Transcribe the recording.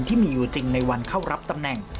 ที่มีอยู่จริงในวันเข้ารับตำแหน่ง